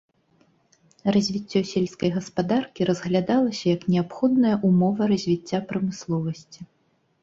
Развіццё сельскай гаспадаркі разглядалася як неабходная ўмова развіцця прамысловасці.